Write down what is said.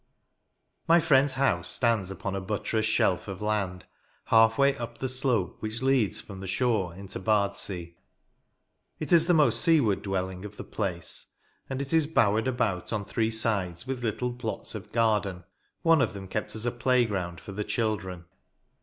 My friend's house stands upon a buttressed shelf of land, half way up the slope which leads from the shore into Bardsea. It is the most seaward dwelling of the place ; and it is bowered about on three sides with little plots of garden, one of them kept as a playground for the children.